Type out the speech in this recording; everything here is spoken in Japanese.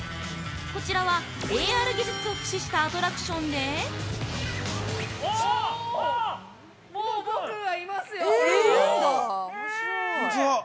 こちらは、ＡＲ技術を駆使したアトラクションで◆おおっ！